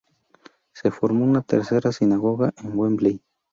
Se formó una tercera sinagoga en Wembley.